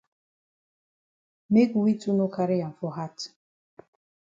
Make we too no carry am for hat.